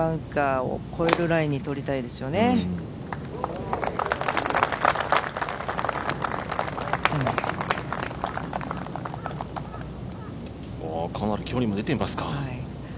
かなり距離も出ていますか。